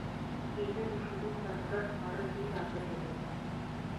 کېله د شیدو سره ګډه خوړل ډېره ګټه لري.